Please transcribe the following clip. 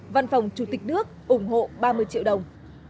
văn phòng chủ tịch nước ủng hộ ba mươi triệu đồng